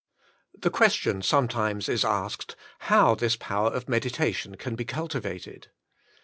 The question sometimes is asked, how this power of meditation can be cultivated.